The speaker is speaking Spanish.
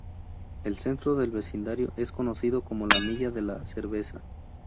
El centro del vecindario, es conocido como la "Milla de la cerveza".